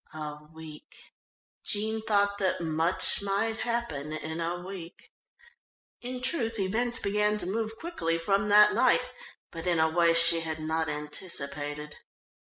A week! Jean thought that much might happen in a week. In truth events began to move quickly from that night, but in a way she had not anticipated.